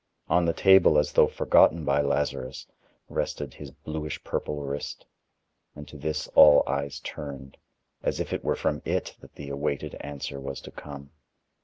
On the table, as though forgotten by Lazarus, rested his bluish purple wrist, and to this all eyes turned, as if it were from it that the awaited answer was to come.